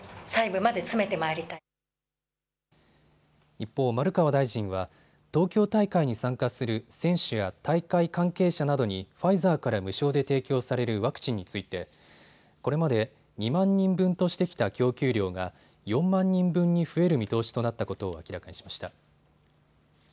一方、丸川大臣は東京大会に参加する選手や大会関係者などにファイザーから無償で提供されるワクチンについてこれまで２万人分としてきた供給量が４万人分に増える見通しとなったことを明らかにしました。